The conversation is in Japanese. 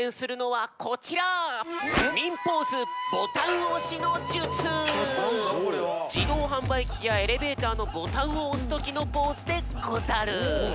はんばいきやエレベーターのボタンをおすときのポーズでござる！